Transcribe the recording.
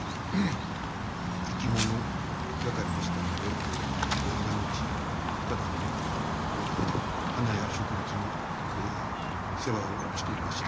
生き物係でしたので毎日花壇のええ花や植物のええ世話をちていました。